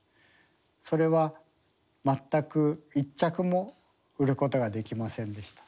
それは全く１着も売ることができませんでした。